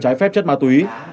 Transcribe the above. trái phép chất ma túy